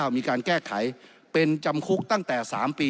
มีการแก้ไขเป็นจำคุกตั้งแต่๓ปี